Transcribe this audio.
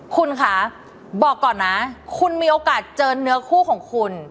คุณคะบอกก่อนนะคุณมีโอกาสเจอเนื้อคู่ของคุณ